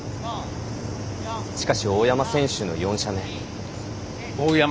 しかし、大山選手の４射目。